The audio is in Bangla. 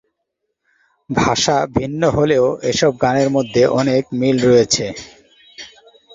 ভাষা ভিন্ন হলেও এসব গানের মধ্যে অনেক মিল রয়েছে।